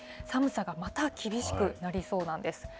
寒さがまた厳しくなりそうなんです。